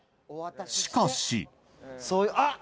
しかしあっ！